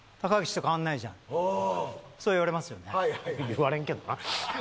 言われんけどな。